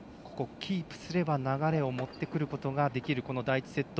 キープすれば流れを持ってくることができる第１セット。